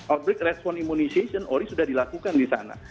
outbreak response immunization ori sudah dilakukan di sana